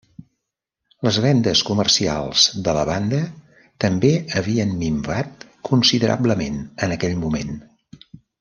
Les vendes comercials de la banda també havien minvat considerablement en aquell moment.